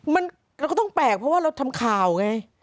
มันเราก็ต้องแปลกเพราะว่าเราทำข่าวไง